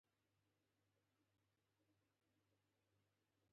جانانه ته خوداسې نه وې ښايي جواري دې دبل چاخوړلي دينه